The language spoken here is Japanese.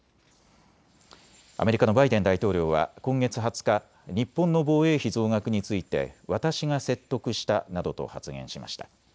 アメリカのバイデン大統領は今月２０日、日本の防衛費増額について私が説得したなどと発言しました。